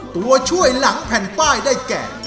ตัวช่วยหลังแผ่นป้ายได้แก่